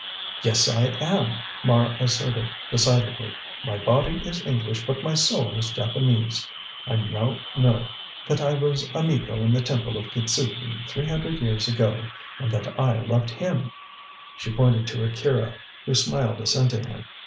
"Yes, I am," Mara asserted decidedly; "my body is English, but my soul is Japanese. I know now that I was a Miko in the Temple of Kitzuki three hundred years ago, and that I loved him," she pointed to Akira, who smiled assentingly.